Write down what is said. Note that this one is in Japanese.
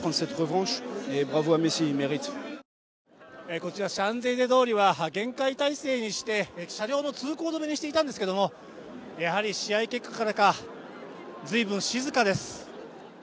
こちらはシャンゼリゼ通りは厳戒態勢にして車両の通行止めにしていたんですけどもやはり試合結果からか随分静かです